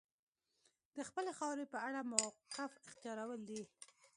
د خپلې خاورې په اړه موقف اختیارول دي.